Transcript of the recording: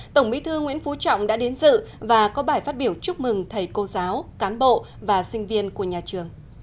tổng bí thư nguyễn phú trọng đã đến dự và có bài phát biểu chúc mừng thầy cô giáo cán bộ và sinh viên của nhà trường